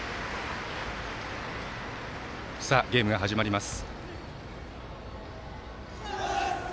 ゲームが始まります。